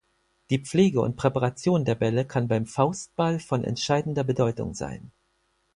Die Pflege und Präparation der Bälle kann beim Faustball von entscheidender Bedeutung sein.